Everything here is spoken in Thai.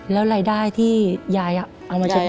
แล้วรายได้ที่ยายออกมาจากนี้